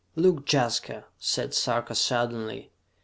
"Look, Jaska!" said Sarka suddenly.